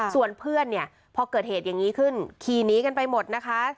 ส่วนเพื่อนเนี่ยพอเกิดเหตุอย่างนี้ขึ้นขี่หนีกันไปหมดนะคะ